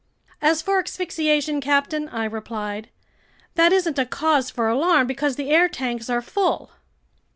"As for asphyxiation, captain," I replied, "that isn't a cause for alarm, because the air tanks are full."